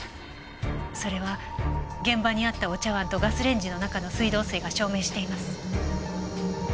それは現場にあったお茶碗とガスレンジの中の水道水が証明しています。